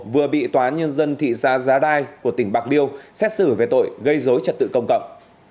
vừa bị tòa nhân dân thị xã giá đai của tỉnh bạc liêu xét xử về tội gây dối trật tự công cộng